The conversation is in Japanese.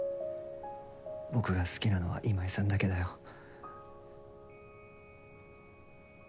僕が好きなのは今井さんだけだよ。